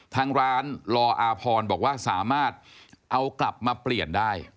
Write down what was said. ทางร้านลออาพรบอกว่าสามารถเอากลับมาเปลี่ยนได้